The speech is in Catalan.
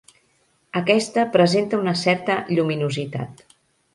Aquesta presenta una certa lluminositat.